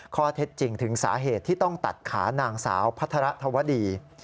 ข้อเท็จจริงถึงสาเหตุที่ต้องตัดขานางสาวพัฒระธวดี